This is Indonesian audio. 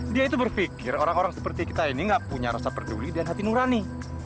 dia itu berpikir orang orang seperti kita ini gak punya rasa peduli dan hati nurani